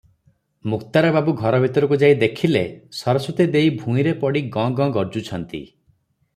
ମୁକ୍ତାର ବାବୁ ଘର ଭିତରକୁ ଯାଇ ଦେଖିଲେ, ସରସ୍ୱତୀ ଦେଈ ଭୂଇଁରେ ପଡି ଗଁ ଗଁ ଗର୍ଜୁଛନ୍ତି ।